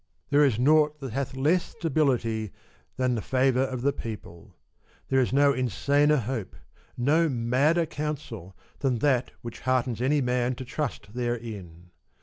There is nought that hath less stability than the favour of the people ; there is no insaner hope, no madder counsel, than that which heartens any man to trust therein.